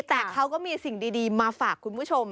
แต่เขาก็มีสิ่งดีมาฝากคุณผู้ชม